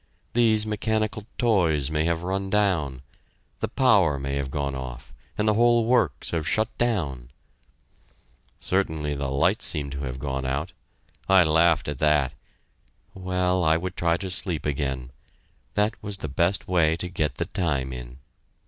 These mechanical toys may have run down; the power may have gone off, and the whole works have shut down. Certainly the lights seem to have gone out. I laughed at that. Well, I would try to sleep again; that was the best way to get the time in.